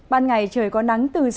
ban ngày trời có nắng từ năm đến năm độ